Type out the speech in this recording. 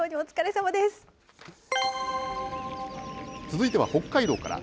続いては北海道から。